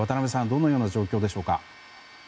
どのような状況でしょうか。